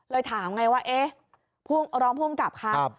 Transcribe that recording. เลยถามไงว่าเอ๊ะรองผู้อำกับครับ